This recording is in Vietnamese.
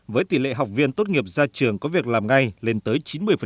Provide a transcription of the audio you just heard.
với tỷ lệ học viên tốt nghiệp ra trường có việc làm ngay lên tới chín mươi